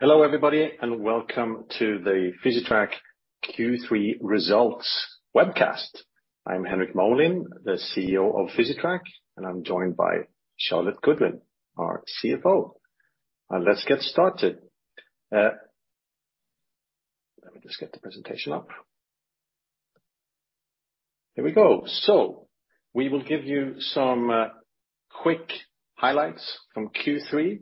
Hello, everybody, and welcome to the Physitrack Q3 results webcast. I'm Henrik Molin, the CEO of Physitrack, and I'm joined by Charlotte Goodwin, our CFO. Let's get started. Let me just get the presentation up. Here we go. We will give you some quick highlights from Q3,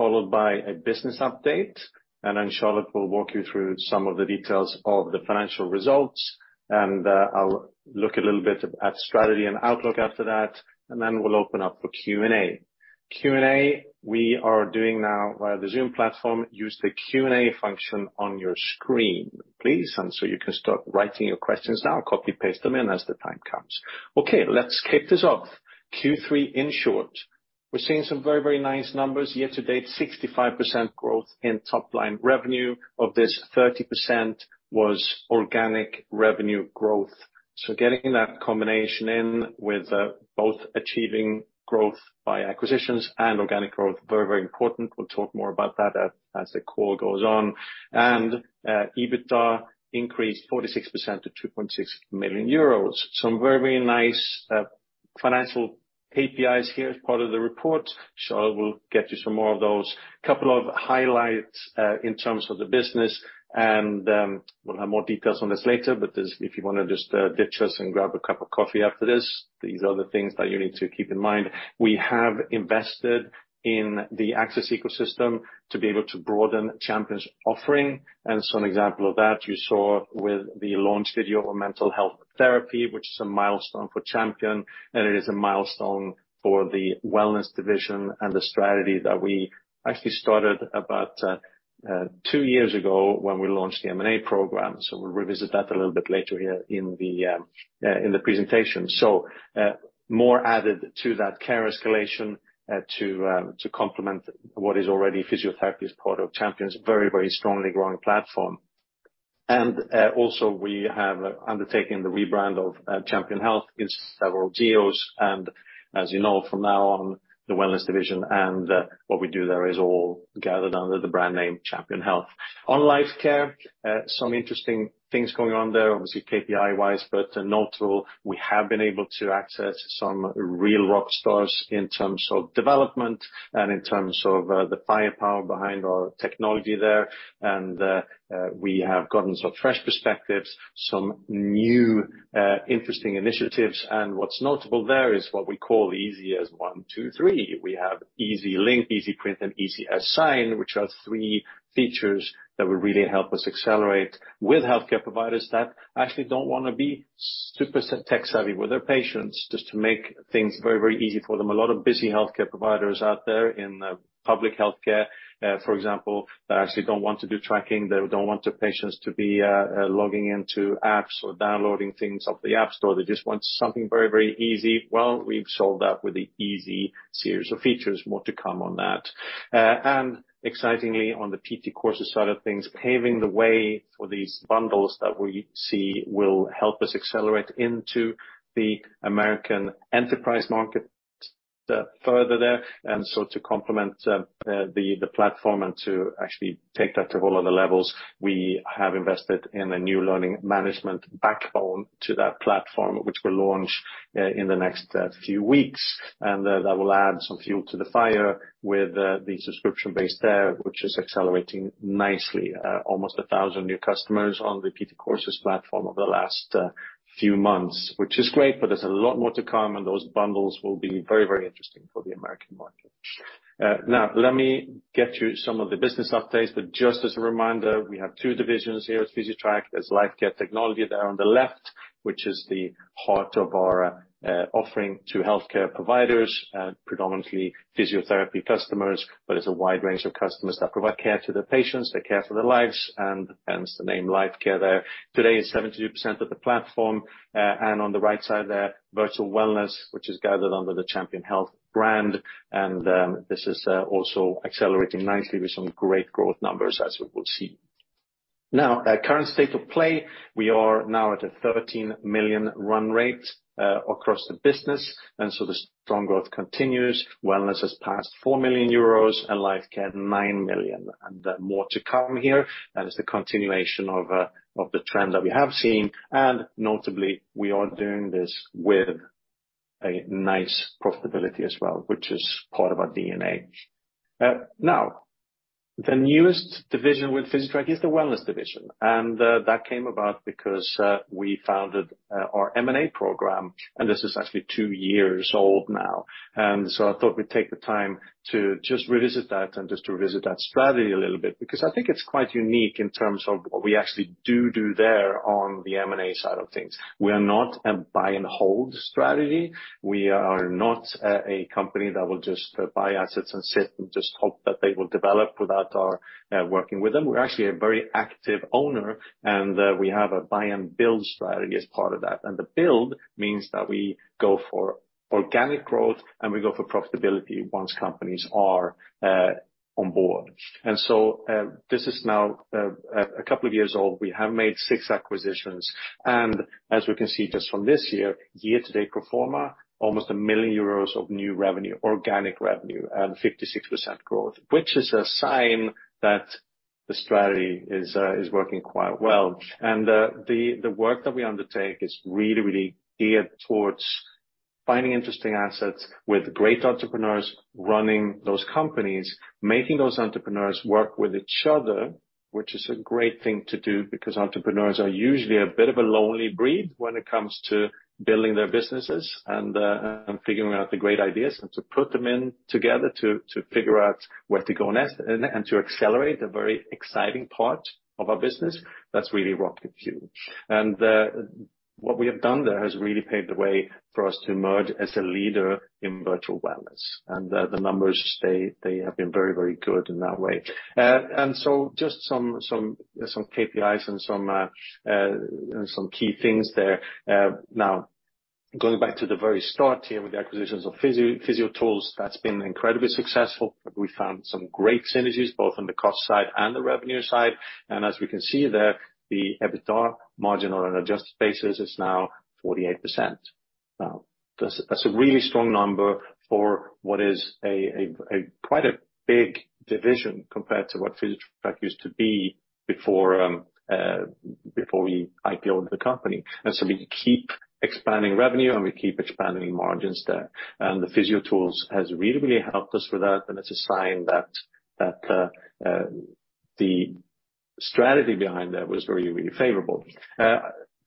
followed by a business update. Then Charlotte will walk you through some of the details of the financial results. I'll look a little bit at strategy and outlook after that, and then we'll open up for Q&A. Q&A we are doing now via the Zoom platform. Use the Q&A function on your screen, please. You can start writing your questions now, copy and paste them in as the time comes. Okay, let's kick this off. Q3 in short. We're seeing some very, very nice numbers. Year to date, 65% growth in top line revenue. Of this, 30% was organic revenue growth. Getting that combination in with both achieving growth by acquisitions and organic growth, very, very important. We'll talk more about that as the call goes on. EBITDA increased 46% to 2.6 million euros. Some very, very nice financial KPIs here as part of the report. Charlotte will get you some more of those. A couple of highlights in terms of the business, and we'll have more details on this later, but if you wanna just ditch us and grab a cup of coffee after this, these are the things that you need to keep in mind. We have invested in the access ecosystem to be able to broaden Champion's offering. An example of that you saw with the launch video for mental health therapy, which is a milestone for Champion, and it is a milestone for the wellness division and the strategy that we actually started about two years ago when we launched the M&A program. We'll revisit that a little bit later here in the presentation. More added to that care escalation to complement what is already physiotherapy as part of Champion's very, very strongly growing platform. Also we have undertaken the rebrand of Champion Health in several geos. As you know, from now on, the wellness division and what we do there is all gathered under the brand name Champion Health. On Lifecare, some interesting things going on there, obviously, KPI-wise, but notable, we have been able to access some real rock stars in terms of development and in terms of, the firepower behind our technology there. We have gotten some fresh perspectives, some new, interesting initiatives. What's notable there is what we call Easy as one, two, three. We have EasyLink, EasyPrint, and EasyAssign, which are three features that will really help us accelerate with healthcare providers that actually don't wanna be super tech-savvy with their patients, just to make things very, very easy for them. A lot of busy healthcare providers out there in, public healthcare, for example, that actually don't want to do tracking, they don't want their patients to be, logging into apps or downloading things off the App Store. They just want something very, very easy. Well, we've solved that with the Easy series of features. More to come on that. Excitingly, on the PT Courses side of things, paving the way for these bundles that we see will help us accelerate into the American enterprise market, further there. To complement the platform and to actually take that to whole other levels, we have invested in a new learning management backbone to that platform, which we'll launch in the next few weeks. That will add some fuel to the fire with the subscription base there, which is accelerating nicely. Almost 1,000 new customers on the PT Courses platform over the last few months, which is great, but there's a lot more to come, and those bundles will be very, very interesting for the American market. Now let me get you some of the business updates, but just as a reminder, we have two divisions here at Physitrack. There's Lifecare Technology there on the left, which is the heart of our offering to healthcare providers, predominantly physiotherapy customers, but it's a wide range of customers that provide care to their patients, they care for their lives and hence the name Lifecare there. Today, it's 72% of the platform. On the right side there, Virtual Wellness, which is gathered under the Champion Health brand. This is also accelerating nicely with some great growth numbers as we will see. Current state of play, we are now at a 13 million run rate across the business. The strong growth continues. Wellness has passed 4 million euros and Lifecare 9 million. More to come here. That is the continuation of the trend that we have seen. Notably, we are doing this with a nice profitability as well, which is part of our DNA. Now the newest division with Physitrack is the Wellness division. That came about because we founded our M&A program, and this is actually two years old now. I thought we'd take the time to just revisit that and just to revisit that strategy a little bit, because I think it's quite unique in terms of what we actually do there on the M&A side of things. We are not a buy and hold strategy. We are not a company that will just buy assets and sit and just hope that they will develop without our working with them. We're actually a very active owner and we have a buy and build strategy as part of that. The build means that we go for organic growth and we go for profitability once companies are on board. This is now a couple of years old. We have made six acquisitions. As we can see just from this year to date pro forma, almost 1 million euros of new revenue, organic revenue, and 56% growth, which is a sign that the strategy is working quite well. The work that we undertake is really geared towards finding interesting assets with great entrepreneurs running those companies, making those entrepreneurs work with each other, which is a great thing to do because entrepreneurs are usually a bit of a lonely breed when it comes to building their businesses and figuring out the great ideas. To put them in together to figure out where to go next and to accelerate the very exciting part of our business, that's really rocket fuel. What we have done there has really paved the way for us to emerge as a leader in Virtual Wellness. The numbers, they have been very good in that way. So just some KPIs and some key things there. Now going back to the very start here with the acquisitions of Physiotools, that's been incredibly successful. We found some great synergies, both on the cost side and the revenue side. As we can see there, the EBITDA margin on an adjusted basis is now 48%. Now, that's a really strong number for what is a quite a big division compared to what Physitrack used to be before we IPO-ed the company. We keep expanding revenue, and we keep expanding margins there. The Physiotools has really helped us with that, and it's a sign that the strategy behind that was very, really favorable.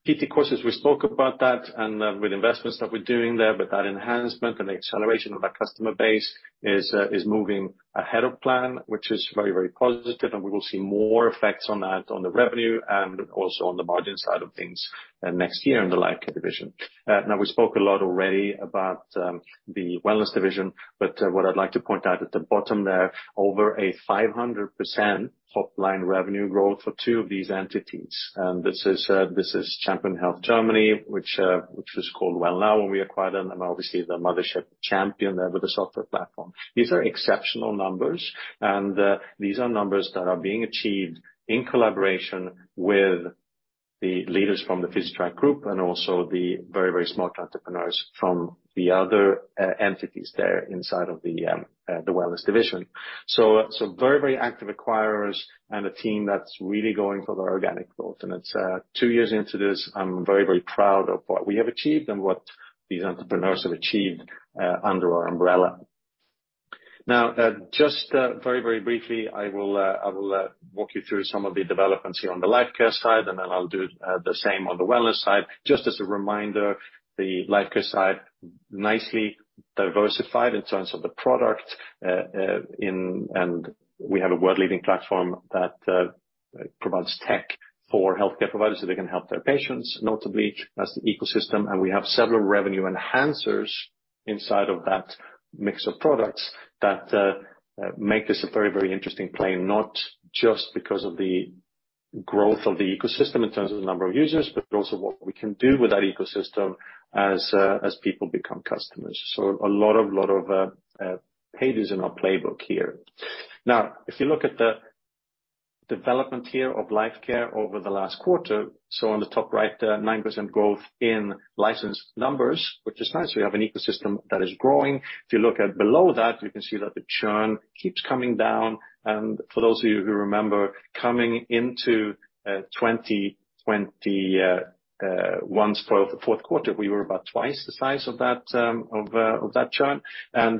PT Courses, we spoke about that and, with investments that we're doing there, but that enhancement and the acceleration of our customer base is moving ahead of plan, which is very, very positive. We will see more effects on that on the revenue and also on the margin side of things, next year in the Lifecare division. Now, we spoke a lot already about the wellness division, but what I'd like to point out at the bottom there, over 500% top-line revenue growth for two of these entities. This is Champion Health Germany, which was called Wellnow when we acquired them, and obviously the mothership Champion there with the software platform. These are exceptional numbers, and these are numbers that are being achieved in collaboration with the leaders from the Physitrack group and also the very smart entrepreneurs from the other entities there inside of the wellness division. Very active acquirers and a team that's really going for the organic growth. It's two years into this, I'm very proud of what we have achieved and what these entrepreneurs have achieved under our umbrella. Now, just very briefly, I will walk you through some of the developments here on the Lifecare side, and then I'll do the same on the wellness side. Just as a reminder, the Lifecare side, nicely diversified in terms of the product in. We have a world-leading platform that provides tech for healthcare providers, so they can help their patients, notably as the ecosystem. We have several revenue enhancers inside of that mix of products that make this a very, very interesting play, not just because of the growth of the ecosystem in terms of the number of users, but also what we can do with that ecosystem as people become customers. So a lot of pages in our playbook here. Now, if you look at the development here of Lifecare over the last quarter, so on the top right, 9% growth in license numbers, which is nice. We have an ecosystem that is growing. If you look at below that, you can see that the churn keeps coming down. For those of you who remember, coming into 2020, end of the fourth quarter, we were about twice the size of that chart.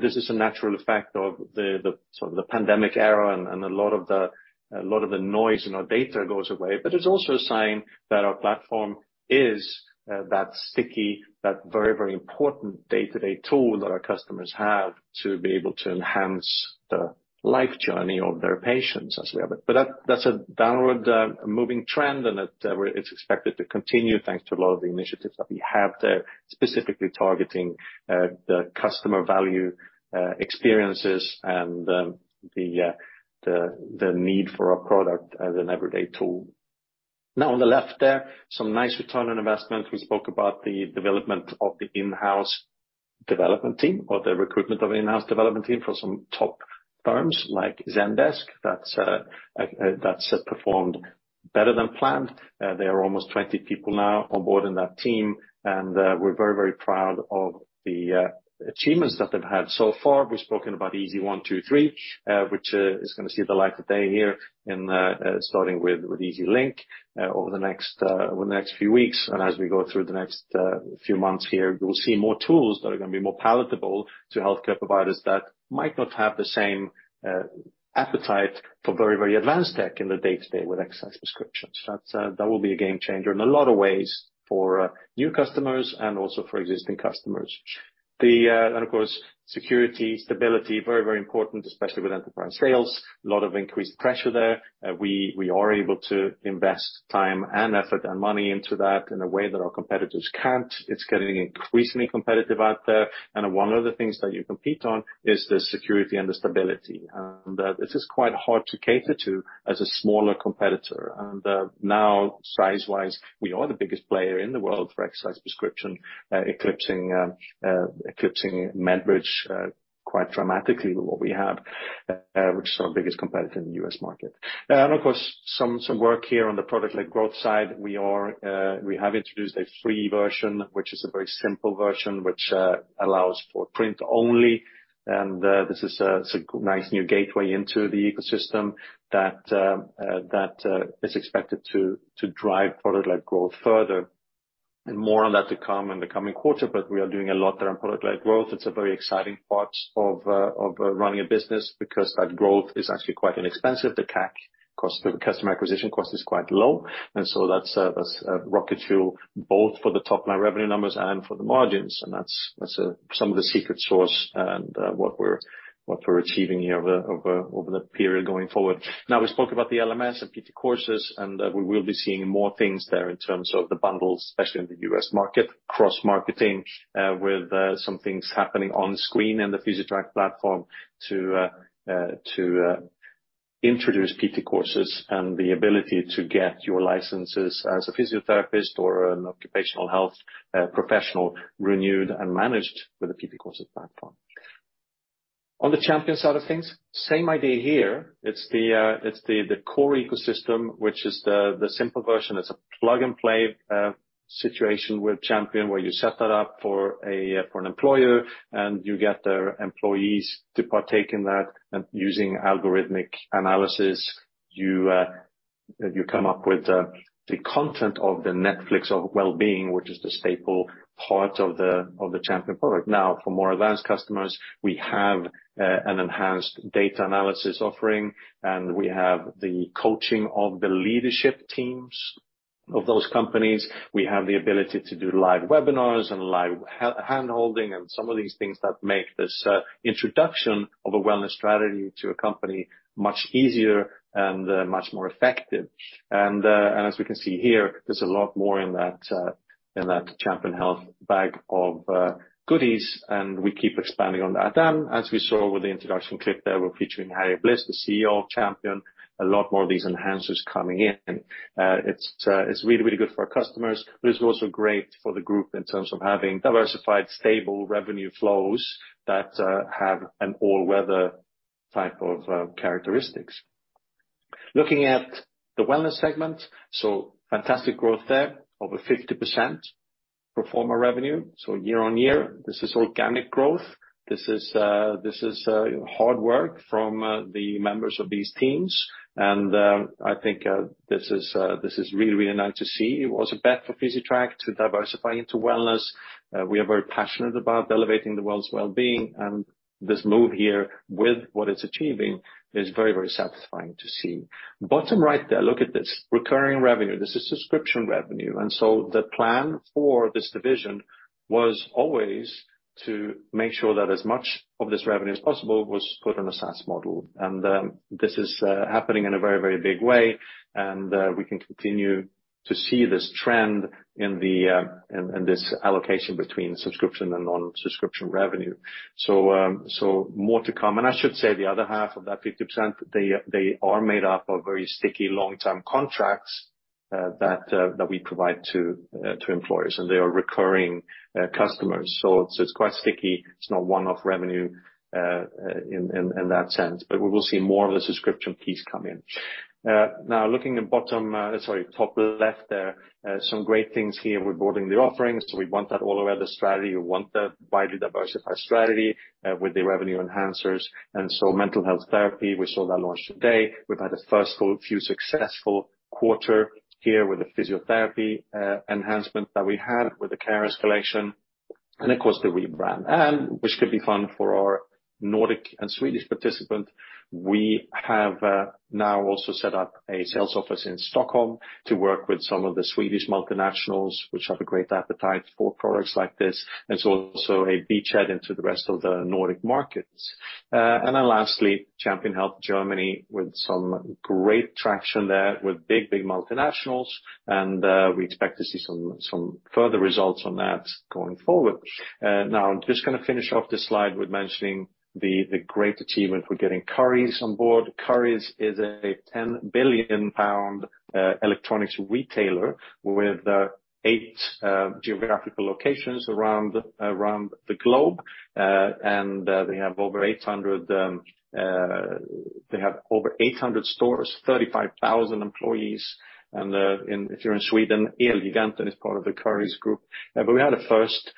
This is a natural effect of the sort of pandemic era and a lot of the noise in our data goes away. It's also a sign that our platform is that sticky, that very important day-to-day tool that our customers have to be able to enhance the life journey of their patients as we have it. That's a downward moving trend, and it's expected to continue, thanks to a lot of the initiatives that we have there, specifically targeting the customer value experiences and the need for our product as an everyday tool. Now, on the left there, some nice return on investment. We spoke about the development of the in-house development team or the recruitment of in-house development team for some top firms like Zendesk. That's performed better than planned. There are almost 20 people now on board in that team, and we're very, very proud of the achievements that they've had so far. We've spoken about Easy one, two, three, which is gonna see the light of day here, starting with Easy Link over the next few weeks. As we go through the next few months here, you will see more tools that are gonna be more palatable to healthcare providers that might not have the same appetite for very, very advanced tech in the day-to-day with exercise prescriptions. That will be a game changer in a lot of ways for new customers and also for existing customers. Of course, security, stability, very, very important, especially with enterprise sales. A lot of increased pressure there. We are able to invest time and effort and money into that in a way that our competitors can't. It's getting increasingly competitive out there, and one of the things that you compete on is the security and the stability. This is quite hard to cater to as a smaller competitor. Now size-wise, we are the biggest player in the world for exercise prescription, eclipsing MedBridge quite dramatically with what we have, which is our biggest competitor in the U.S. market. Of course, some work here on the product-led growth side. We have introduced a free version, which is a very simple version, which allows for print only, and it's a nice new gateway into the ecosystem that is expected to drive product-led growth further. More on that to come in the coming quarter, but we are doing a lot around product-led growth. It's a very exciting part of running a business because that growth is actually quite inexpensive. The CAC cost, the customer acquisition cost is quite low. That's a rocket fuel both for the top-line revenue numbers and for the margins. That's some of the secret sauce and what we're achieving here over the period going forward. Now, we spoke about the LMS and PT Courses, and we will be seeing more things there in terms of the bundles, especially in the U.S. market, cross-marketing with some things happening on screen in the Physitrack platform to introduce PT Courses and the ability to get your licenses as a physiotherapist or an occupational health professional renewed and managed with the PT Courses platform. On the Champion side of things, same idea here. It's the core ecosystem, which is the simple version. It's a plug-and-play situation with Champion, where you set that up for an employer, and you get their employees to partake in that. Using algorithmic analysis, you come up with the content of the Netflix of wellbeing, which is the staple part of the Champion Health product. Now, for more advanced customers, we have an enhanced data analysis offering, and we have the coaching of the leadership teams of those companies. We have the ability to do live webinars and live handholding and some of these things that make this introduction of a wellness strategy to a company much easier and much more effective. As we can see here, there's a lot more in that Champion Health bag of goodies, and we keep expanding on that. As we saw with the introduction clip there, we're featuring Harry Bliss, the CEO of Champion Health, a lot more of these enhancers coming in. It's really, really good for our customers, but it's also great for the group in terms of having diversified stable revenue flows that have an all-weather type of characteristics. Looking at the wellness segment, fantastic growth there, over 50% pro forma revenue. Year-over-year, this is organic growth. This is hard work from the members of these teams. I think this is really, really nice to see. It was a bet for Physitrack to diversify into wellness. We are very passionate about elevating the world's wellbeing, and this move here with what it's achieving is very, very satisfying to see. Bottom right there, look at this. Recurring revenue. This is subscription revenue. The plan for this division was always to make sure that as much of this revenue as possible was put on a SaaS model. This is happening in a very, very big way, and we can continue to see this trend in this allocation between subscription and non-subscription revenue. More to come. I should say the other half of that 50%, they are made up of very sticky long-term contracts that we provide to employers, and they are recurring customers. It's quite sticky. It's not one-off revenue in that sense. We will see more of the subscription piece come in. Now looking at top left there, some great things here. We're broadening the offerings. We want that all over the strategy. We want the widely diversified strategy with the revenue enhancers. Mental health therapy, we saw that launch today. We've had a first few successful quarter here with the physiotherapy enhancement that we had with the care escalation, and of course, the rebrand. Which could be fun for our Nordic and Swedish participants, we have now also set up a sales office in Stockholm to work with some of the Swedish multinationals, which have a great appetite for products like this, and it's also a beachhead into the rest of the Nordic markets. Lastly, Champion Health Germany with some great traction there with big multinationals, and we expect to see some further results on that going forward. Now I'm just gonna finish off this slide with mentioning the great achievement for getting Currys on board. Currys is a 10 billion pound electronics retailer with eight geographical locations around the globe. They have over 800 stores, 35,000 employees. If you're in Sweden, Elgiganten is part of the Currys group. We had a first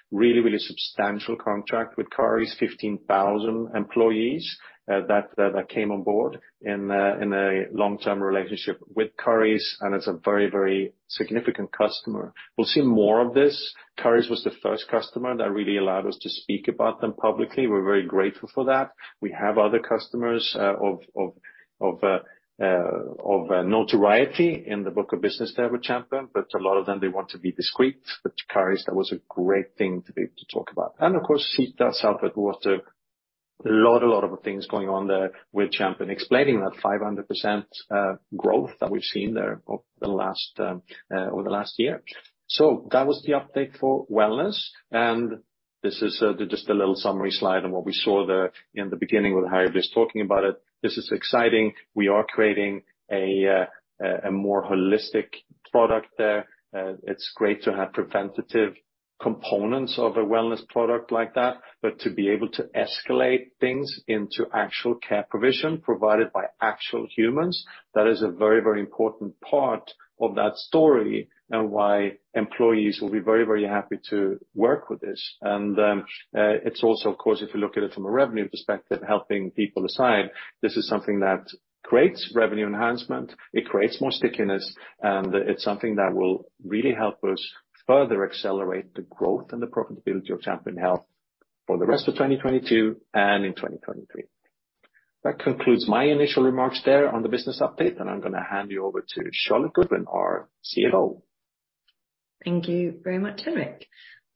substantial contract with Currys, 15,000 employees, that came on board in a long-term relationship with Currys, and it's a very significant customer. We'll see more of this. Currys was the first customer that really allowed us to speak about them publicly. We're very grateful for that. We have other customers of notoriety in the book of business there with Champion, but a lot of them, they want to be discreet. Currys, that was a great thing to be able to talk about. Of course, Sitra Support, who has a lot of things going on there with Champion, explaining that 500% growth that we've seen there over the last year. That was the update for wellness, and this is just a little summary slide on what we saw there in the beginning with Harry Bliss talking about it. This is exciting. We are creating a more holistic product there. It's great to have preventative components of a wellness product like that, but to be able to escalate things into actual care provision provided by actual humans, that is a very, very important part of that story and why employees will be very, very happy to work with this. It's also, of course, if you look at it from a revenue perspective, helping people aside, this is something that creates revenue enhancement, it creates more stickiness, and it's something that will really help us further accelerate the growth and the profitability of Champion Health for the rest of 2022 and in 2023. That concludes my initial remarks there on the business update, and I'm gonna hand you over to Charlotte Goodwin, our CFO. Thank you very much, Henrik.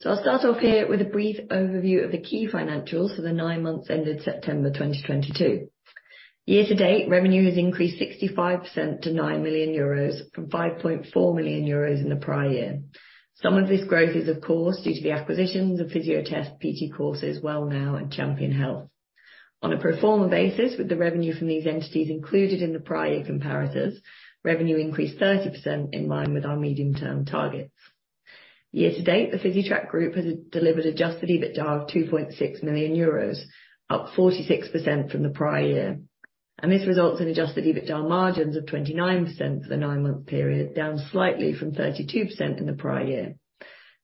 I'll start off here with a brief overview of the key financials for the nine months ended September 2022. Year to date, revenue has increased 65% to 9 million euros from 5.4 million euros in the prior year. Some of this growth is, of course, due to the acquisitions of Fysiotest, PT Courses, Wellnow, and Champion Health. On a pro forma basis, with the revenue from these entities included in the prior year comparators, revenue increased 30% in line with our medium-term targets. Year to date, the Physitrack Group has delivered adjusted EBITDA of 2.6 million euros, up 46% from the prior year. This results in adjusted EBITDA margins of 29% for the nine-month period, down slightly from 32% in the prior year.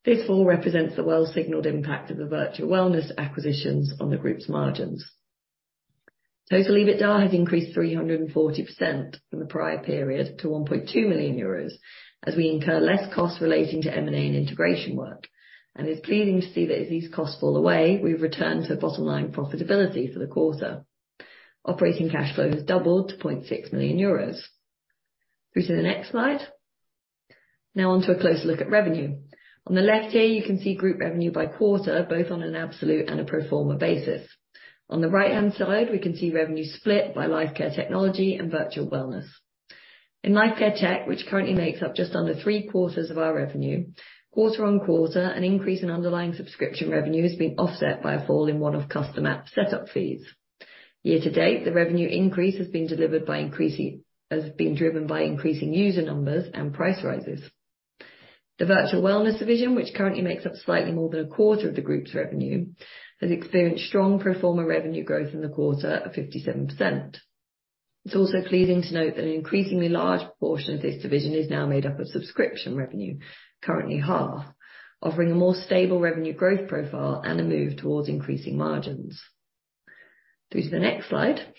This fall represents the well-signaled impact of the Virtual Wellness acquisitions on the group's margins. Total EBITDA has increased 340% from the prior period to 1.2 million euros, as we incur less costs relating to M&A and integration work. It's pleasing to see that as these costs fall away, we've returned to bottom line profitability for the quarter. Operating cash flow has doubled to 0.6 million euros. Through to the next slide. Now on to a close look at revenue. On the left here, you can see group revenue by quarter, both on an absolute and a pro forma basis. On the right-hand side, we can see revenue split by Lifecare Technology and Virtual Wellness. In Lifecare Technology, which currently makes up just under three-quarters of our revenue, quarter-over-quarter, an increase in underlying subscription revenue is being offset by a fall in one-off custom app setup fees. Year to date, the revenue increase has been driven by increasing user numbers and price rises. The Virtual Wellness division, which currently makes up slightly more than a quarter of the group's revenue, has experienced strong pro forma revenue growth in the quarter of 57%. It's also pleasing to note that an increasingly large portion of this division is now made up of subscription revenue, currently half, offering a more stable revenue growth profile and a move towards increasing margins. Turn to the next slide.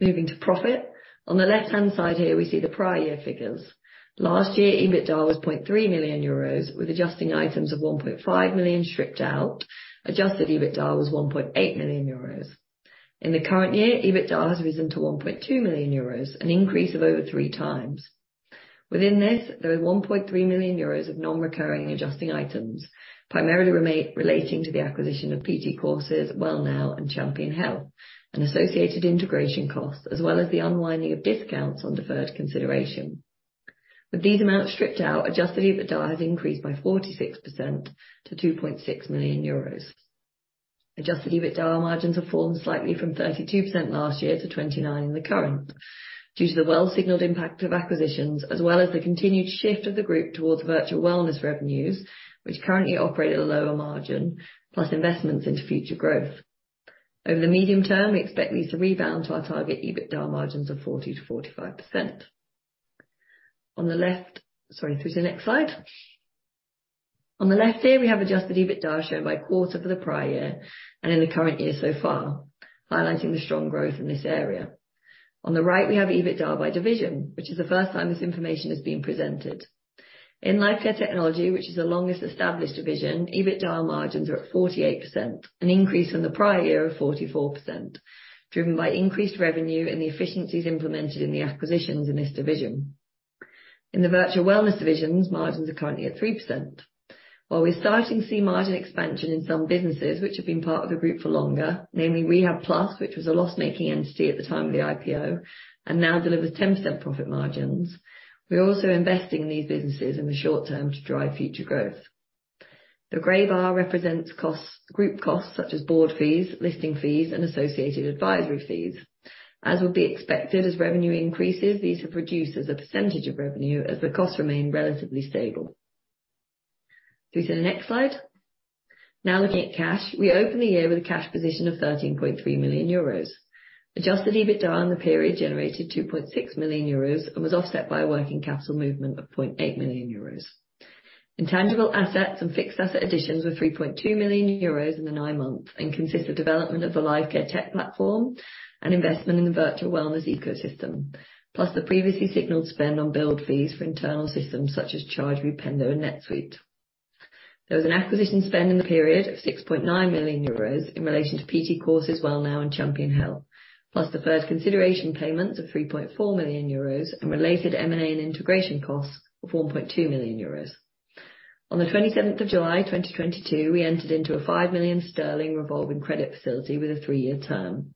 Moving to profit. On the left-hand side here, we see the prior year figures. Last year, EBITDA was 0.3 million euros, with adjusting items of 1.5 million stripped out. Adjusted EBITDA was 1.8 million euros. In the current year, EBITDA has risen to 1.2 million euros, an increase of over three times. Within this, there was 1.3 million euros of non-recurring adjusting items, primarily relating to the acquisition of PT Courses, Wellnow, and Champion Health, and associated integration costs, as well as the unwinding of discounts on deferred consideration. With these amounts stripped out, adjusted EBITDA has increased by 46% to 2.6 million euros. Adjusted EBITDA margins have fallen slightly from 32% last year to 29% in the current, due to the well-signaled impact of acquisitions, as well as the continued shift of the group towards Virtual Wellness revenues, which currently operate at a lower margin, plus investments into future growth. Over the medium term, we expect these to rebound to our target EBITDA margins of 40%-45%. Through to the next slide. On the left here, we have adjusted EBITDA shown by quarter for the prior year and in the current year so far, highlighting the strong growth in this area. On the right, we have EBITDA by division, which is the first time this information is being presented. In Lifecare Technology, which is the longest established division, EBITDA margins are at 48%, an increase from the prior year of 44%, driven by increased revenue and the efficiencies implemented in the acquisitions in this division. In the Virtual Wellness divisions, margins are currently at 3%. While we're starting to see margin expansion in some businesses which have been part of the group for longer, namely Rehabplus, which was a loss-making entity at the time of the IPO and now delivers 10% profit margins, we're also investing in these businesses in the short term to drive future growth. The gray bar represents costs, group costs such as board fees, listing fees, and associated advisory fees. As would be expected, as revenue increases, these have reduced as a percentage of revenue as the costs remain relatively stable. Through to the next slide. Now looking at cash. We opened the year with a cash position of 13.3 million euros. Adjusted EBITDA on the period generated 2.6 million euros and was offset by a working capital movement of 0.8 million euros. Intangible assets and fixed asset additions were 3.2 million euros in the nine months and consist of development of the Lifecare Technology platform and investment in the Virtual Wellness ecosystem, plus the previously signaled spend on build fees for internal systems such as Chargebee, Rependo, and NetSuite. There was an acquisition spend in the period of 6.9 million euros in relation to PT Courses, Wellnow, and Champion Health, plus the first consideration payments of 3.4 million euros and related M&A and integration costs of 1.2 million euros. On the twenty-seventh of July 2022, we entered into a 5 million sterling revolving credit facility with a three-year term.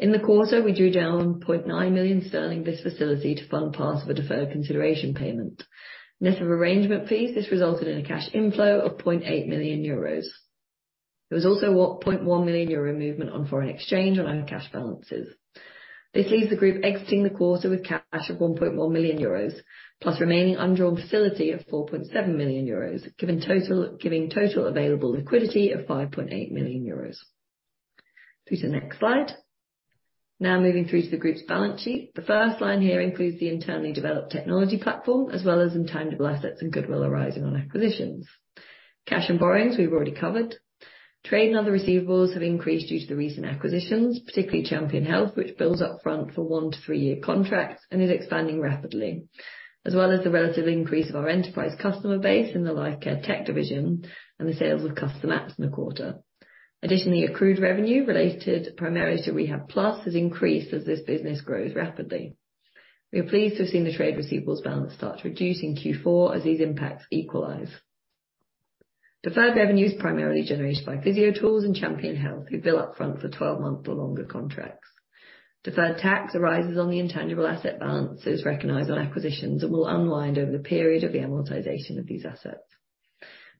In the quarter, we drew down 0.9 million sterling from this facility to fund part of a deferred consideration payment. Net of arrangement fees, this resulted in a cash inflow of 0.8 million euros. There was also a 1.1 million euro movement on foreign exchange on our cash balances. This leaves the group exiting the quarter with cash of 1.1 million euros, plus remaining undrawn facility of 4.7 million euros, giving total available liquidity of 5.8 million euros. Through to the next slide. Now moving through to the group's balance sheet. The first line here includes the internally developed technology platform, as well as intangible assets and goodwill arising on acquisitions. Cash and borrowings, we've already covered. Trade and other receivables have increased due to the recent acquisitions, particularly Champion Health, which bills up front for 1-3-year contracts and is expanding rapidly, as well as the relative increase of our enterprise customer base in the Lifecare Technology division and the sales of custom apps in the quarter. Additionally, accrued revenue related primarily to Rehabplus has increased as this business grows rapidly. We are pleased to have seen the trade receivables balance start to reduce in Q4 as these impacts equalize. Deferred revenue is primarily generated by Physiotools and Champion Health, who bill up front for 12-month or longer contracts. Deferred tax arises on the intangible asset balances recognized on acquisitions and will unwind over the period of the amortization of these assets.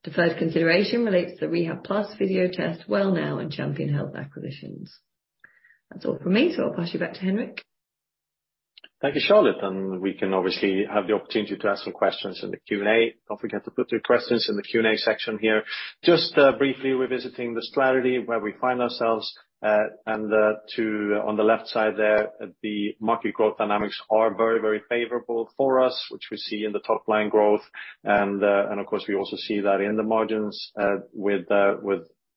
Deferred consideration relates to Rehabplus, Fysiotest, Wellnow and Champion Health acquisitions. That's all from me, so I'll pass you back to Henrik. Thank you, Charlotte. We can obviously have the opportunity to ask some questions in the Q&A. Don't forget to put your questions in the Q&A section here. Just briefly revisiting the strategy where we find ourselves, on the left side there, the market growth dynamics are very, very favorable for us, which we see in the top line growth. Of course, we also see that in the margins, with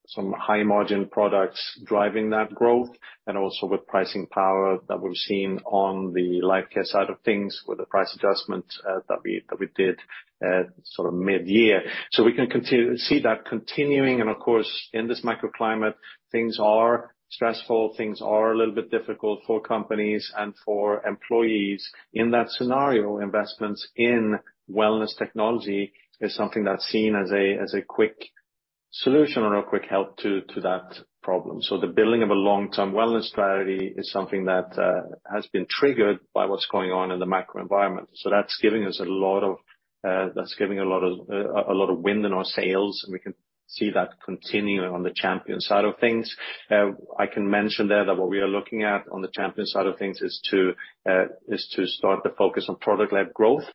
some high margin products driving that growth and also with pricing power that we've seen on the Lifecare side of things with the price adjustments, that we did at sort of mid-year. We can continue to see that continuing. Of course, in this microclimate, things are stressful, things are a little bit difficult for companies and for employees. In that scenario, investments in wellness technology is something that's seen as a quick solution or a quick help to that problem. The building of a long-term wellness strategy is something that has been triggered by what's going on in the macro environment. That's giving us a lot of wind in our sails, and we can see that continuing on the Champion side of things. I can mention there that what we are looking at on the Champion side of things is to start the focus on product-led growth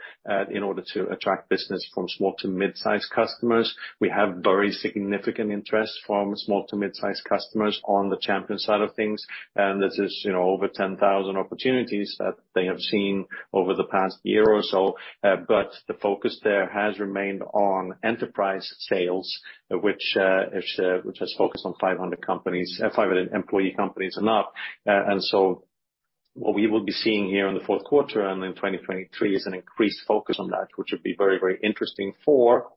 in order to attract business from small to mid-sized customers. We have very significant interest from small to mid-sized customers on the Champion side of things. This is, you know, over 10,000 opportunities that they have seen over the past year or so. The focus there has remained on enterprise sales, which has focused on 500 employee companies and up. What we will be seeing here in the fourth quarter and in 2023 is an increased focus on that, which would be very, very interesting for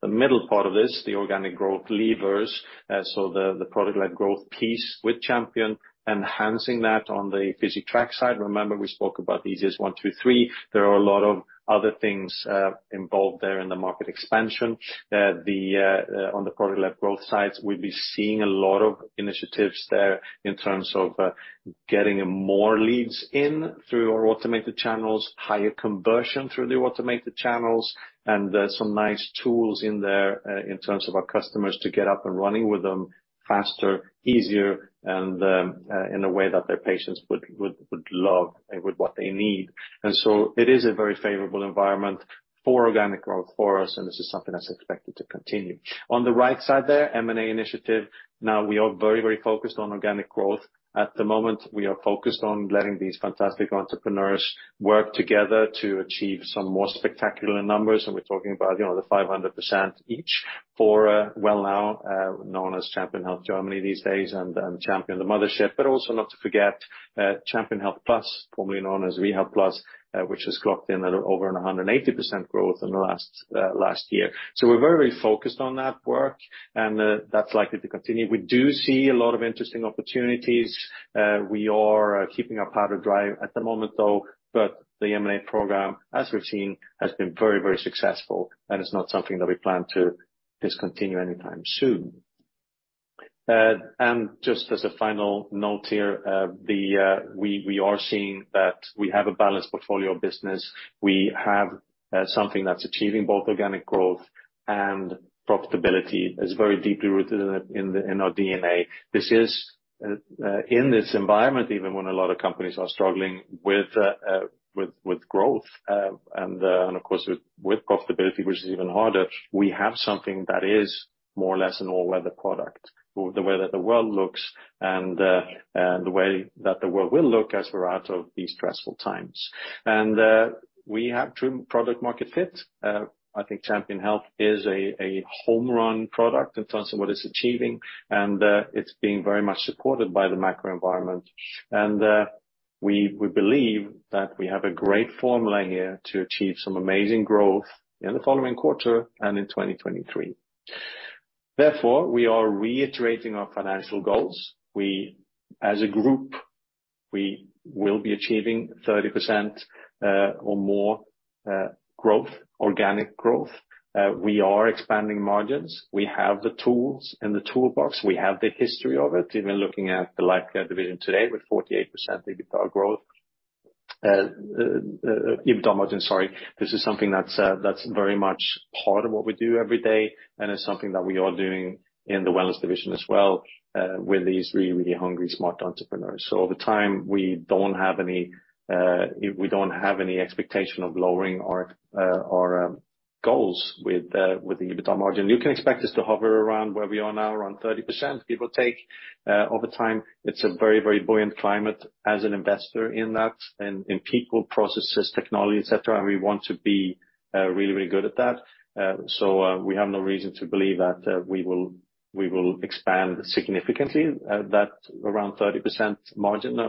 the middle part of this, the organic growth levers. The product-led growth piece with Champion, enhancing that on the Physitrack side. Remember, we spoke about the easiest one, two, three. There are a lot of other things involved there in the market expansion. On the product-led growth sides, we'll be seeing a lot of initiatives there in terms of getting more leads in through our automated channels, higher conversion through the automated channels, and some nice tools in there in terms of our customers to get up and running with them faster, easier, and in a way that their patients would love and want what they need. It is a very favorable environment for organic growth for us, and this is something that's expected to continue. On the right side there, M&A initiative. Now we are very focused on organic growth. At the moment, we are focused on letting these fantastic entrepreneurs work together to achieve some more spectacular numbers. We're talking about, you know, the 500% each for Wellnow, known as Champion Health Germany these days, and Champion, the mothership. Also not to forget Champion Health Plus, formerly known as Rehabplus, which has clocked in at over 180% growth in the last year. We're very focused on that work, and that's likely to continue. We do see a lot of interesting opportunities. We are keeping our powder dry at the moment, though, but the M&A program, as we've seen, has been very, very successful, and it's not something that we plan to discontinue anytime soon. Just as a final note here, we are seeing that we have a balanced portfolio of business. We have something that's achieving both organic growth and profitability. It's very deeply rooted in our DNA. This is in this environment, even when a lot of companies are struggling with growth and of course with profitability, which is even harder, we have something that is more or less an all-weather product. The way that the world looks and the way that the world will look as we're out of these stressful times. We have true product market fit. I think Champion Health is a home run product in terms of what it's achieving, and it's being very much supported by the macro environment. We believe that we have a great formula here to achieve some amazing growth in the following quarter and in 2023. Therefore, we are reiterating our financial goals. We, as a group, will be achieving 30% or more growth, organic growth. We are expanding margins. We have the tools in the toolbox. We have the history of it, even looking at the Lifecare division today with 48% EBITDA growth. EBIT margin, sorry. This is something that's very much part of what we do every day, and it's something that we are doing in the wellness division as well, with these really, really hungry, smart entrepreneurs. Over time, we don't have any expectation of lowering our goals with the EBIT margin. You can expect us to hover around where we are now, around 30%. It will take over time. It's a very, very buoyant climate as an investor in that, in people, processes, technology, et cetera, and we want to be, really, really good at that. So, we have no reason to believe that, we will expand significantly, that around 30% margin in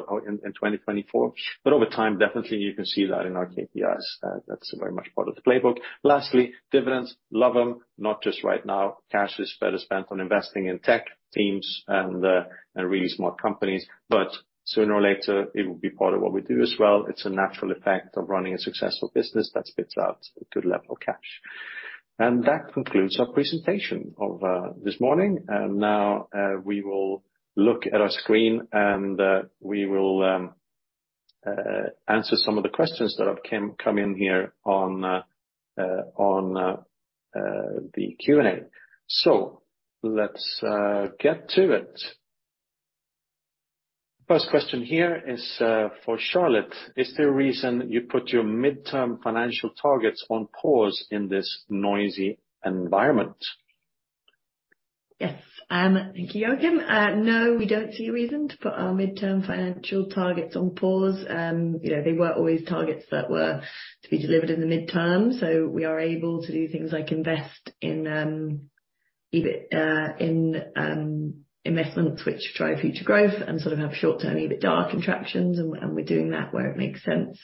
2024. But over time, definitely, you can see that in our KPIs. That's very much part of the playbook. Lastly, dividends. Love them. Not just right now. Cash is better spent on investing in tech teams and really smart companies. But sooner or later, it will be part of what we do as well. It's a natural effect of running a successful business that spits out a good level of cash. That concludes our presentation of this morning. Now we will look at our screen and we will answer some of the questions that have come in here on the Q&A. Let's get to it. First question here is for Charlotte. Is there a reason you put your midterm financial targets on pause in this noisy environment? Yes. Thank you, Henrik. No, we don't see a reason to put our midterm financial targets on pause. You know, they were always targets that were to be delivered in the midterm, so we are able to do things like invest in investments which drive future growth and sort of have short-term EBITDA contractions, and we're doing that where it makes sense.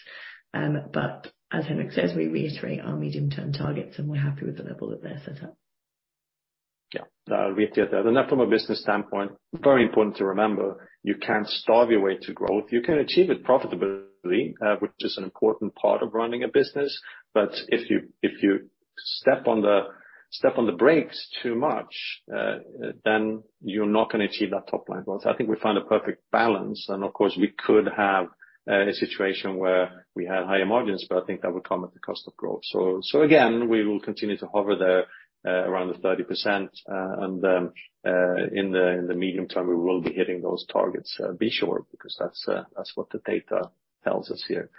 But as Henrik says, we reiterate our medium-term targets, and we're happy with the level that they're set at. I'll reiterate that. From a business standpoint, very important to remember, you can't starve your way to growth. You can achieve it profitably, which is an important part of running a business. If you step on the brakes too much, then you're not gonna achieve that top line growth. I think we found a perfect balance. Of course, we could have a situation where we had higher margins, but I think that would come at the cost of growth. Again, we will continue to hover there around the 30%, and in the medium term, we will be hitting those targets, be sure, because that's what the data tells us here.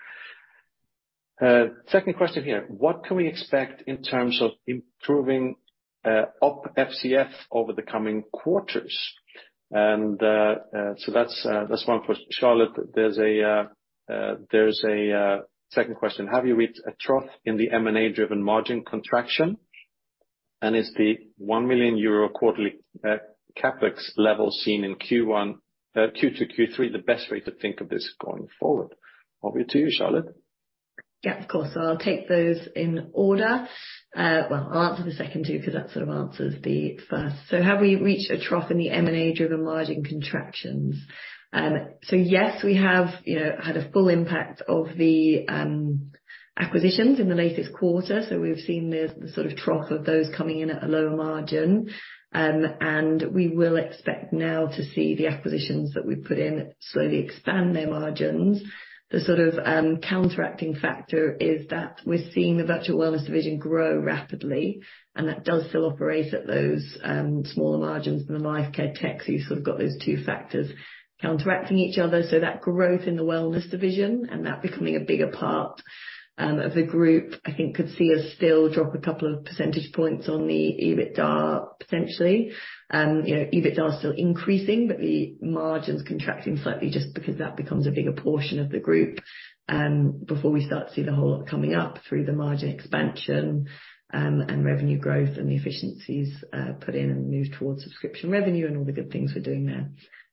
Second question here: What can we expect in terms of improving Op FCF over the coming quarters? So that's one for Charlotte. There's a second question. Have you reached a trough in the M&A-driven margin contraction? And is the 1 million euro quarterly CapEx level seen in Q1, Q2, Q3 the best way to think of this going forward? Over to you, Charlotte. Yeah, of course. I'll take those in order. Well, I'll answer the second two because that sort of answers the first. Have we reached a trough in the M&A-driven margin contractions? Yes, we have, you know, had a full impact of the acquisitions in the latest quarter. We've seen the sort of trough of those coming in at a lower margin. We will expect now to see the acquisitions that we put in slowly expand their margins. The sort of counteracting factor is that we're seeing the Virtual Wellness division grow rapidly, and that does still operate at those smaller margins than the Lifecare Technology. You've sort of got those two factors counteracting each other. That growth in the Wellness division and that becoming a bigger part of the group, I think could see us still drop a couple of percentage points on the EBITDA, potentially. You know, EBITDA is still increasing, but the margins contracting slightly just because that becomes a bigger portion of the group, before we start to see the whole lot coming up through the margin expansion, and revenue growth and the efficiencies put in and move towards subscription revenue and all the good things we're doing there.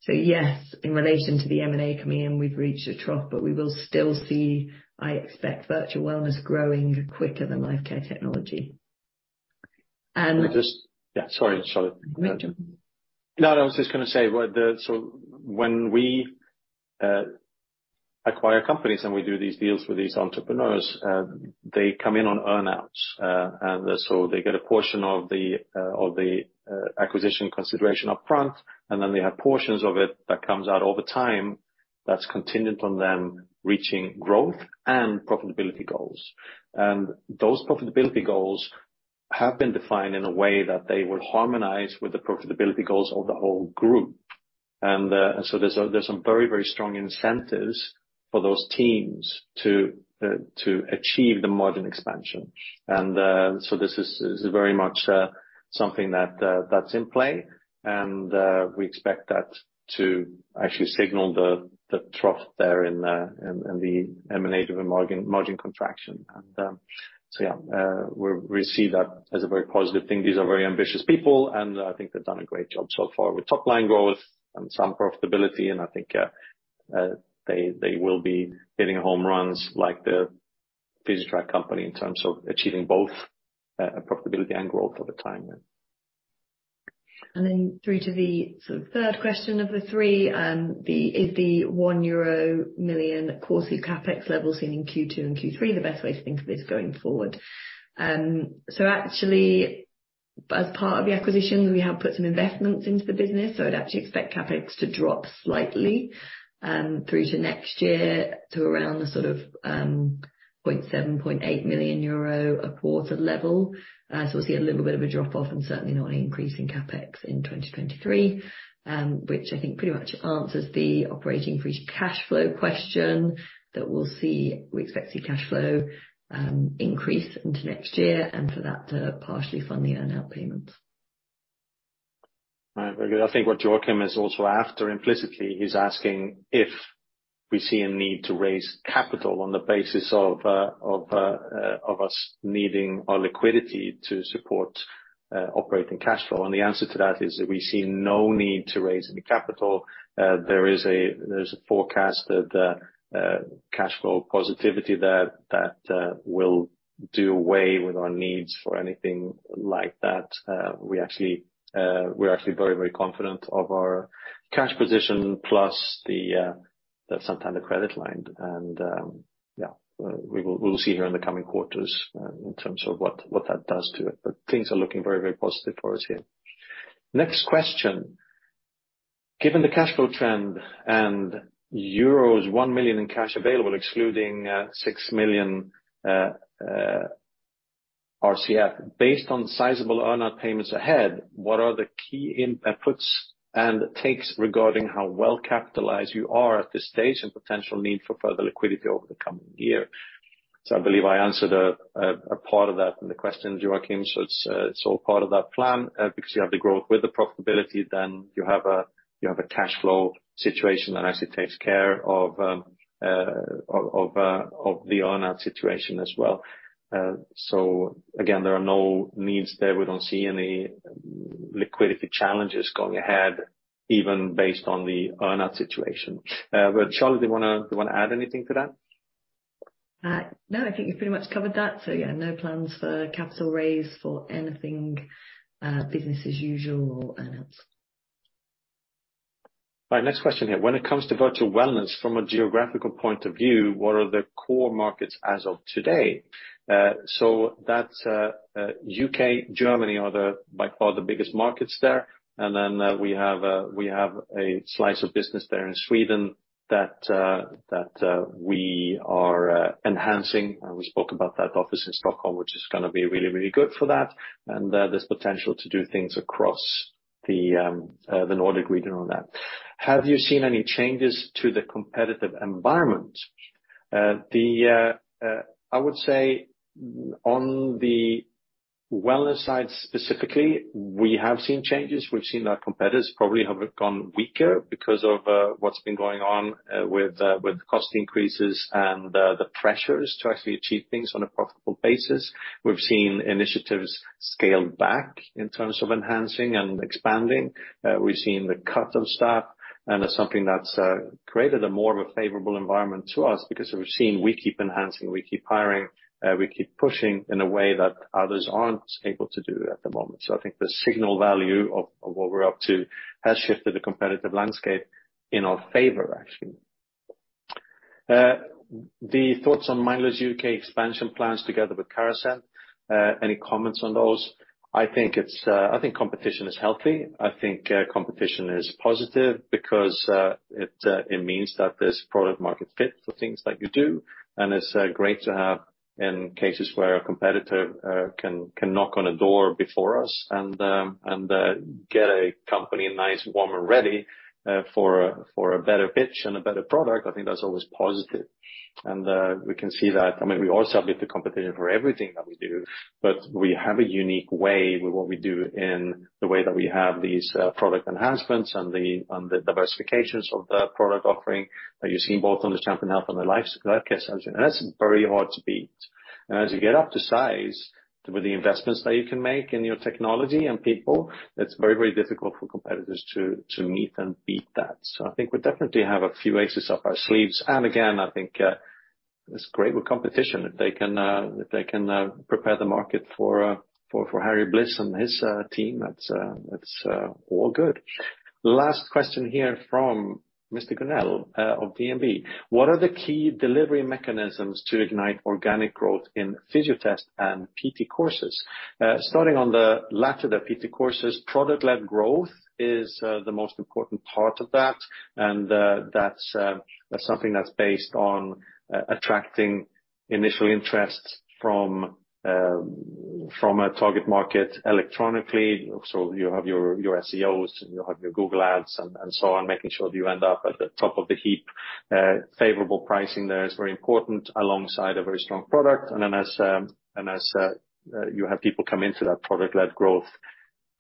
Yes, in relation to the M&A coming in, we've reached a trough, but we will still see, I expect, Virtual Wellness growing quicker than Lifecare Technology. Yeah, sorry, Charlotte. No. No, I was just gonna say, when we acquire companies and we do these deals with these entrepreneurs, they come in on earn-outs. They get a portion of the acquisition consideration upfront, and then they have portions of it that comes out over time that's contingent on them reaching growth and profitability goals. Those profitability goals have been defined in a way that they will harmonize with the profitability goals of the whole group. There's some very strong incentives for those teams to achieve the margin expansion. This is very much something that's in play. We expect that to actually signal the trough there in the M&A-driven margin contraction. We see that as a very positive thing. These are very ambitious people, and I think they've done a great job so far with top-line growth and some profitability. I think they will be hitting home runs like the Physitrack company in terms of achieving both profitability and growth over time. Through to the sort of third question of the three, the is the 1 million euro quarterly CapEx level seen in Q2 and Q3 the best way to think of this going forward? Actually, as part of the acquisition, we have put some investments into the business, so I'd actually expect CapEx to drop slightly through to next year to around the sort of point seven, point eight million EUR a quarter level. We'll see a little bit of a drop off and certainly not an increase in CapEx in 2023, which I think pretty much answers the Operating Free Cash Flow question that we'll see. We expect to see cash flow increase into next year and for that to partially fund the earn-out payments. All right. Very good. I think what Joachim is also after, implicitly, he's asking if we see a need to raise capital on the basis of us needing our liquidity to support operating cash flow. The answer to that is that we see no need to raise any capital. There's a forecast that cash flow positivity will do away with our needs for anything like that. We're actually very, very confident of our cash position plus the RCF, sometimes the credit line. We'll see here in the coming quarters in terms of what that does to it. Things are looking very, very positive for us here. Next question. Given the cash flow trend and euros 1 million in cash available, excluding 6 million RCF, based on sizable earn-out payments ahead, what are the key inputs and outputs and takes regarding how well-capitalized you are at this stage and potential need for further liquidity over the coming year? I believe I answered a part of that in the question, Joachim. It's all part of that plan because you have the growth with the profitability. Then you have a cash flow situation that actually takes care of the earn-out situation as well. Again, there are no needs there. We don't see any liquidity challenges going ahead, even based on the earn-out situation. Charlotte, do you wanna add anything to that? No, I think you've pretty much covered that. Yeah, no plans for capital raise for anything, business as usual or earn-outs. Right. Next question here. When it comes to Virtual Wellness from a geographical point of view, what are the core markets as of today? U.K., Germany are by far the biggest markets there. We have a slice of business there in Sweden that we are enhancing. We spoke about that office in Stockholm, which is gonna be really good for that. There's potential to do things across the Nordic region on that. Have you seen any changes to the competitive environment? I would say on the wellness side specifically, we have seen changes. We've seen our competitors probably have gone weaker because of what's been going on with cost increases and the pressures to actually achieve things on a profitable basis. We've seen initiatives scaled back in terms of enhancing and expanding. We've seen the cut of staff, and that's something that's created a more of a favorable environment to us because we've seen we keep enhancing, we keep hiring, we keep pushing in a way that others aren't able to do at the moment. I think the signal value of what we're up to has shifted the competitive landscape in our favor, actually. The thoughts on Mindler's UK expansion plans together with Carasent, any comments on those? I think competition is healthy. I think competition is positive because it means that there's product market fit for things that you do. It's great to have in cases where a competitor can knock on a door before us and get a company nice, warm, and ready for a better pitch and a better product. I think that's always positive. We can see that. I mean, we always have a bit of competition for everything that we do, but we have a unique way with what we do in the way that we have these product enhancements and the diversifications of the product offering that you're seeing both on the Champion Health and the Lifecare solution. That's very hard to beat. As you get up to size with the investments that you can make in your technology and people, it's very, very difficult for competitors to meet and beat that. I think we definitely have a few aces up our sleeves. Again, I think it's great with competition if they can prepare the market for Harry Bliss and his team, that's all good. Last question here from Mr. Grinnell of DNB. What are the key delivery mechanisms to ignite organic growth in Fysiotest and PT Courses? Starting on the latter, the PT Courses, product-led growth is the most important part of that. That's something that's based on attracting initial interest from a target market electronically. You have your SEO, and you have your Google ads and so on, making sure you end up at the top of the heap. Favorable pricing there is very important alongside a very strong product. You have people come into that product-led growth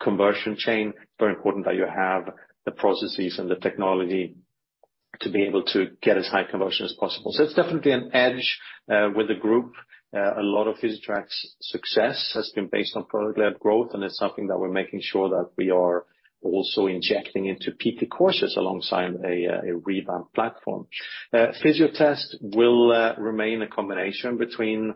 conversion chain, it's very important that you have the processes and the technology to be able to get as high conversion as possible. It's definitely an edge with the group. A lot of Physitrack's success has been based on product-led growth, and it's something that we're making sure that we are also injecting into PT Courses alongside a revamped platform. Fysiotest will remain a combination between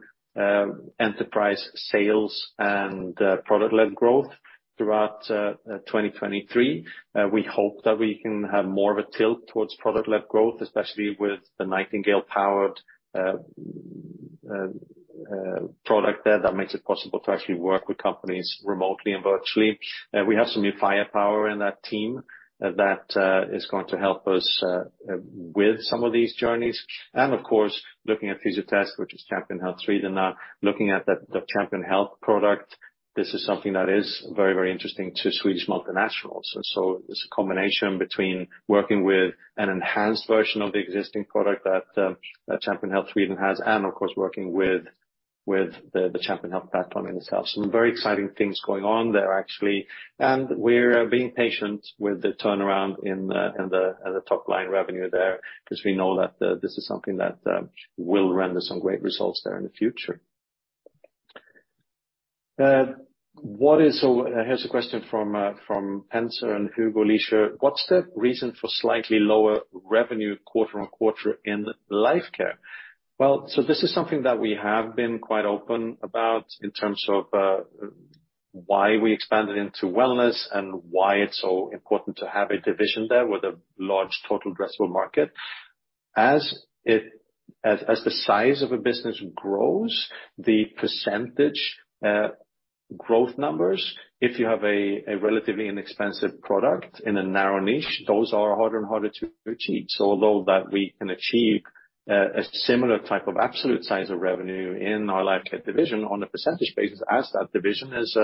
enterprise sales and product-led growth throughout 2023. We hope that we can have more of a tilt towards product-led growth, especially with the Nightingale-powered product there that makes it possible to actually work with companies remotely and virtually. We have some new firepower in that team that is going to help us with some of these journeys. Looking at Fysiotest, which is Champion Health Nordic now, looking at the Champion Health product, this is something that is very, very interesting to Swedish multinationals. It's a combination between working with an enhanced version of the existing product that Champion Health Nordic has, and of course, working with the Champion Health platform itself. Some very exciting things going on there, actually. We're being patient with the turnaround in the top-line revenue there, 'cause we know that this is something that will render some great results there in the future. Here's a question from Hanser and Hugo Leysser. "What's the reason for slightly lower revenue quarter on quarter in Lifecare?" Well, this is something that we have been quite open about in terms of why we expanded into wellness and why it's so important to have a division there with a large total addressable market. As the size of a business grows, the percentage growth numbers, if you have a relatively inexpensive product in a narrow niche, those are harder and harder to achieve. Although we can achieve a similar type of absolute size of revenue in our Lifecare division on a percentage basis as that division is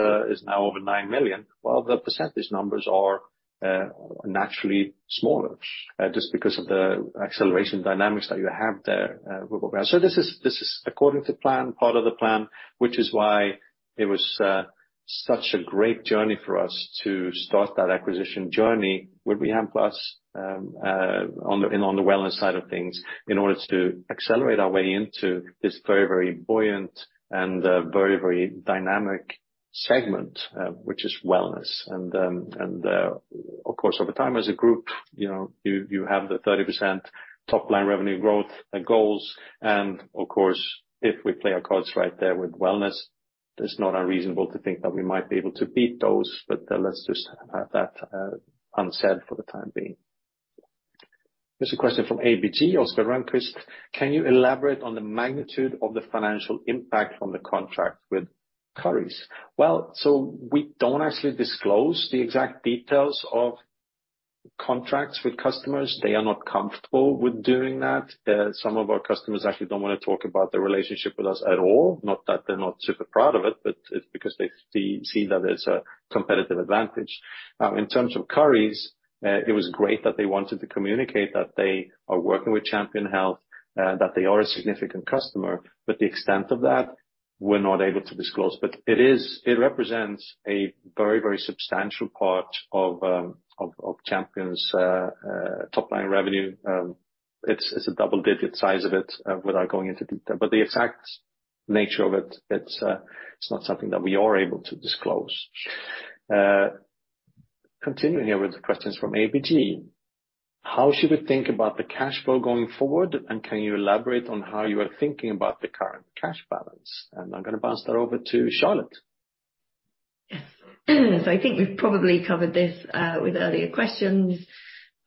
now over 9 million, while the percentage numbers are naturally smaller just because of the acceleration dynamics that you have there. This is according to plan, part of the plan, which is why it was such a great journey for us to start that acquisition journey with Rehabplus on the wellness side of things, in order to accelerate our way into this very buoyant and very dynamic segment, which is wellness. Of course, over time as a group, you know, you have the 30% top-line revenue growth goals. Of course, if we play our cards right there with wellness, it's not unreasonable to think that we might be able to beat those. Let's just have that unsaid for the time being. Here's a question from ABG, Oscar Rundqvist. "Can you elaborate on the magnitude of the financial impact from the contract with Currys?" Well, we don't actually disclose the exact details of contracts with customers. They are not comfortable with doing that. Some of our customers actually don't wanna talk about their relationship with us at all, not that they're not super proud of it, but it's because they see that as a competitive advantage. In terms of Currys, it was great that they wanted to communicate that they are working with Champion Health, that they are a significant customer, but the extent of that we're not able to disclose. It represents a very, very substantial part of Champion's top-line revenue. It's a double-digit size of it, without going into detail. But the exact nature of it's not something that we are able to disclose. Continuing here with the questions from ABG. "How should we think about the cash flow going forward, and can you elaborate on how you are thinking about the current cash balance?" I'm gonna bounce that over to Charlotte. Yes. I think we've probably covered this with earlier questions,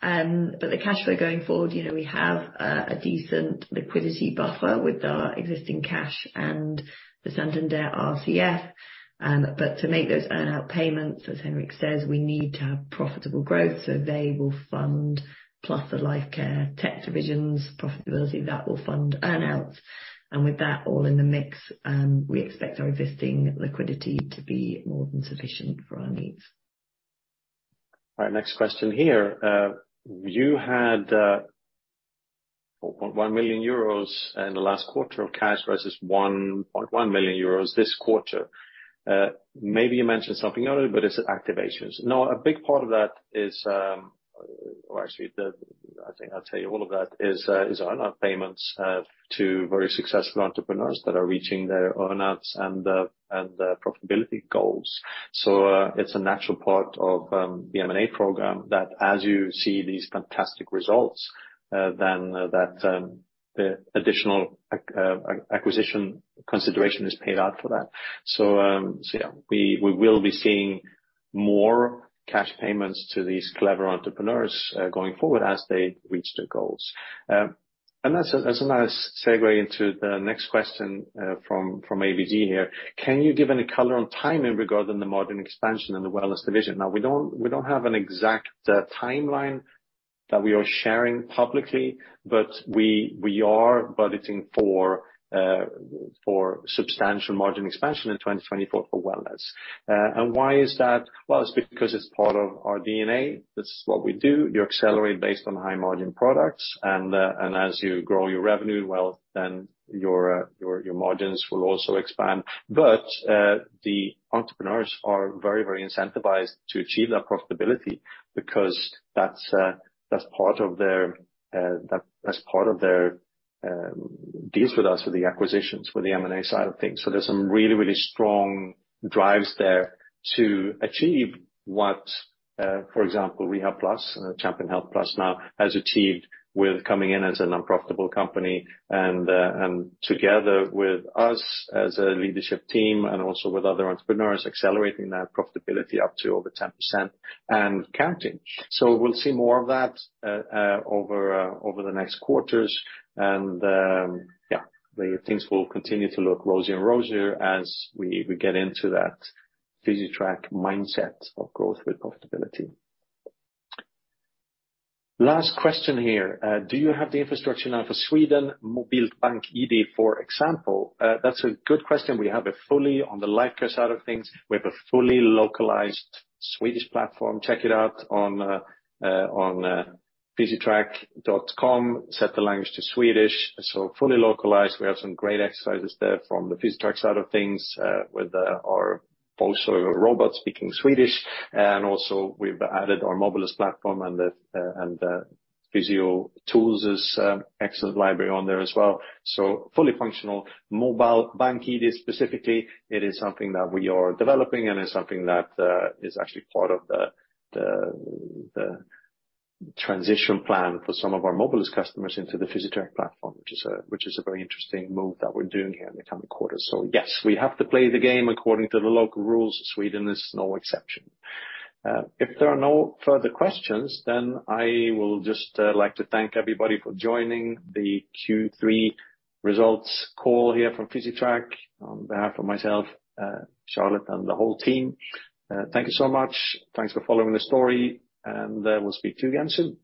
but the cash flow going forward, you know, we have a decent liquidity buffer with our existing cash and the Santander RCF. But to make those earn-out payments, as Henrik says, we need to have profitable growth, so they will fund plus the Lifecare Technology division's profitability, that will fund earn-outs. With that all in the mix, we expect our existing liquidity to be more than sufficient for our needs. All right, next question here. You had 1.1 million euros in the last quarter of cash versus 1.1 million euros this quarter. Maybe you mentioned something earlier, but is it activations? No, actually all of that is earn-out payments to very successful entrepreneurs that are reaching their earn-outs and their profitability goals. It's a natural part of the M&A program that as you see these fantastic results, then that additional acquisition consideration is paid out for that. Yeah, we will be seeing more cash payments to these clever entrepreneurs going forward as they reach their goals. That's a nice segue into the next question from ABG here. Can you give any color on timing regarding the margin expansion in the wellness division?" Now, we don't have an exact timeline that we are sharing publicly, but we are budgeting for substantial margin expansion in 2024 for wellness. And why is that? Well, it's because it's part of our DNA. That's what we do. You accelerate based on high margin products, and as you grow your revenue, well, then your margins will also expand. The entrepreneurs are very incentivized to achieve that profitability because that's part of their deals with us for the acquisitions, for the M&A side of things. There's some really, really strong drives there to achieve what, for example, Rehabplus, Champion Health Plus now has achieved with coming in as an unprofitable company and together with us as a leadership team and also with other entrepreneurs, accelerating that profitability up to over 10% and counting. We'll see more of that over the next quarters. Yeah, things will continue to look rosier and rosier as we get into that Physitrack mindset of growth with profitability. Last question here. "Do you have the infrastructure now for Swedish Mobile BankID, for example?" That's a good question. We have it fully on the Lifecare side of things. We have a fully localized Swedish platform. Check it out on physitrack.com, set the language to Swedish. Fully localized. We have some great exercises there from the Physitrack side of things, with our Bossa robot speaking Swedish. We've added our Mobilus platform and the Physiotools' excellent library on there as well. Fully functional. Mobile BankID specifically, it is something that we are developing, and it's something that is actually part of the transition plan for some of our Mobilus customers into the Physitrack platform, which is a very interesting move that we're doing here in the coming quarters. Yes, we have to play the game according to the local rules. Sweden is no exception. If there are no further questions, I will just like to thank everybody for joining the Q3 results call here from Physitrack. On behalf of myself, Charlotte, and the whole team, thank you so much. Thanks for following the story, and we'll speak to you again soon.